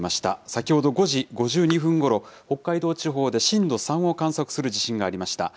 先ほど５時５２分ごろ、北海道地方で震度３を観測する地震がありました。